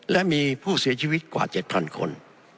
และมีผู้เสียชีวิตกว่าเจ็ดพันคน